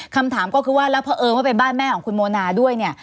คำถามก็คือว่าแล้วเพราะเอิญว่าเป็นบ้านแม่ของคุณโมนาด้วยเนี่ย